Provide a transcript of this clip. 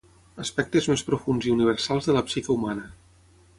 aspectes més profunds i universals de la psique humana